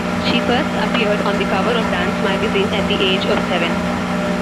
She first appeared on the cover of Dance Magazine at the age of seven.